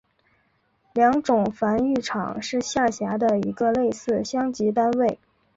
良种繁育场是下辖的一个类似乡级单位。